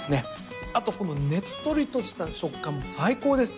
あとこのねっとりとした食感も最高です。